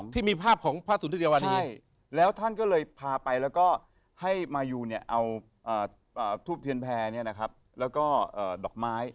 ทาไปแล้วก็ให้มายูเอาทูปเทียนแพ้แล้วก็ดอกไม้